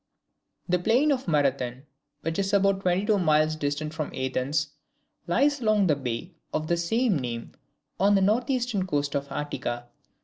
The plain of Marathon, which is about twenty two miles distant from Athens, lies along the bay of the same name on the north eastern coast of Attica.